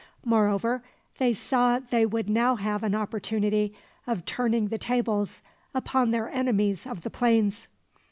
Moreover, they saw they would now have an opportunity of turning the tables upon their enemies of the plains.